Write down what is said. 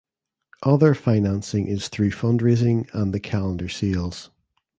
Other financing is through fund raising and the calendar sales.